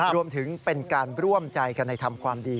รวมถึงเป็นการร่วมใจกันในทำความดี